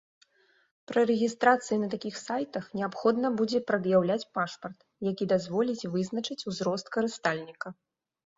Пры рэгістрацыі на такіх сайтах неабходна будзе прад'яўляць пашпарт, які дазволіць вызначыць узрост карыстальніка.